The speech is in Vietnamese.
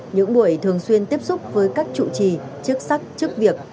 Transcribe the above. những buổi thường xuyên tiếp xúc với các chủ trì chức sắc chức việc